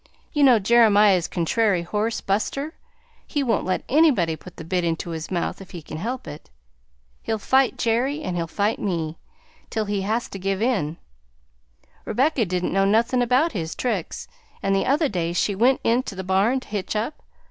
You know Jeremiah's contrairy horse, Buster? He won't let anybody put the bit into his mouth if he can help it. He'll fight Jerry, and fight me, till he has to give in. Rebecca didn't know nothin' about his tricks, and the other day she went int' the barn to hitch up.